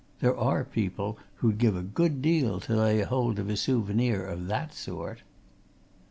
There are people who'd give a good deal to lay hold of a souvenir of that sort."